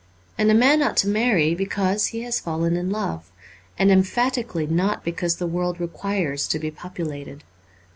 And a man ought to marry because he has fallen in love, and emphatically not because the world requires to be populated.